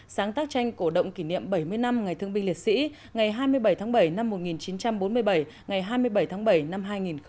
sáng tác tranh cổ động kỷ niệm bảy mươi năm ngày thương binh liệt sĩ ngày hai mươi bảy tháng bảy năm một nghìn chín trăm bốn mươi bảy ngày hai mươi bảy tháng bảy năm hai nghìn một mươi chín